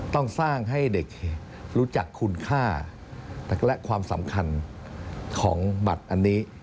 ต้องสร้างให้เด็กรู้จักคุณค่าและความสำคัญของบัตรอันนี้